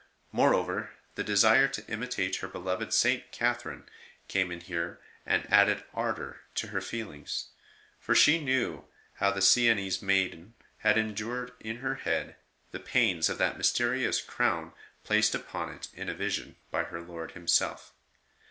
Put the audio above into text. Moreover, the desire to imitate her beloved St. Catherine came in here and added ardour to her feelings ; for she knew how the Sienese maiden had endured in her head the pains of that mysterious crown placed upon it in a vision by her Lord Himself.